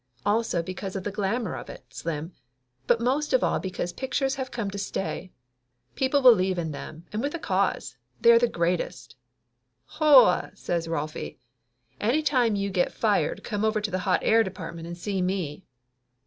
Also because of the glamour of it, Slim, but most of all because pictures have come to stay people believe in them, and with cause. They are the greatest " "Whoa !" says Rolfie. "Any time you get fired come over to the hot air department and see me."